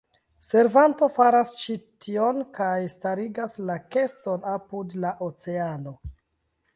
Servanto faras ĉi tion kaj starigas la keston apud la oceano.